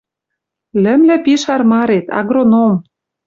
Лӹмлӹ пиш армарет — агроном.